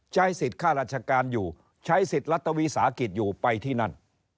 ใช้สิทธิ์ค่าราชการอยู่ใช้สิทธิ์รัฐวิสาหกิจอยู่ไปที่นั่น